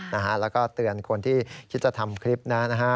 แล้วก็เตือนคนที่คิดจะทำคลิปนะฮะ